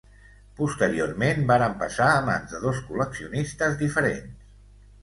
Posteriorment varen passar a mans de dos col·leccionistes diferents.